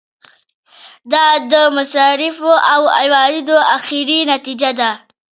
دا د مصارفو او عوایدو اخري نتیجه ده.